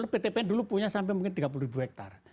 pt pn dulu punya sampai tiga puluh ribu hektar